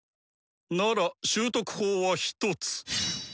なら習得法はひとつ！